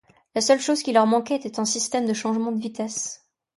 La seule chose qui leur manquait était un système de changement de vitesses.